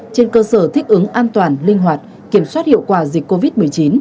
trên cơ sở thích ứng an toàn linh hoạt kiểm soát hiệu quả dịch covid một mươi chín